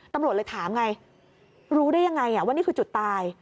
ตำรวจเลยถามไงรู้ได้ยังไงว่านี่คือจุดตาย